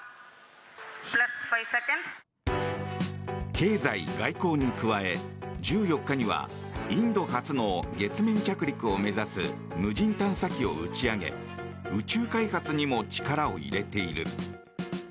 経済、外交に加え１４日にはインド初の月面着陸を目指す無人探査機を打ち上げ宇宙開発にも力を入れている。